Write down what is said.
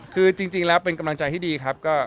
คือจริงแล้วเป็นกำลังใจที่ดีครับ